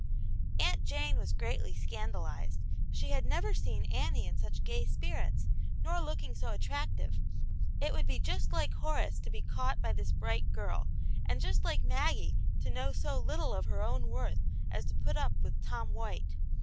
« Aunt Jane was greatly ac; xt\d^\v^^^. ^^^ V?A. 70 Aunt Jane's Hero, never seen Annie in such gay spirits, nor looking so attractive ; it would be just like Horace to be caught by this bright girl, and just like Maggie to know so little of her own worth as to put up with Tom White.